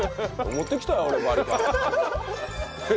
「持ってきたよ俺バリカン」。